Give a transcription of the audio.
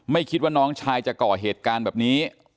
คิดว่าน้องชายจะก่อเหตุการณ์แบบนี้